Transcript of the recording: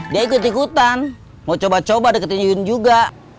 dia ikut ikutan mau coba coba deketin nyun juga